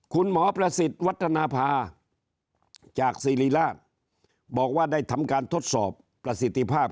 คุณหมอประสิทธิ์วัฒนภาจากศิริราชบอกว่าได้ทำการทดสอบประสิทธิภาพ